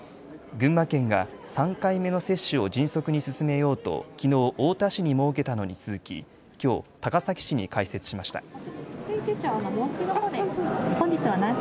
群馬県が３回目の接種を迅速に進めようときのう太田市に設けたのに続ききょう高崎市に開設しました。